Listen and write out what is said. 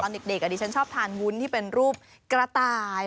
ตอนเด็กอันนี้ฉันชอบทานวุ้นที่เป็นรูปกระต่าย